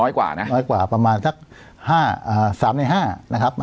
น้อยกว่านะน้อยกว่าประมาณสักห้าเอ่อสามในห้านะครับ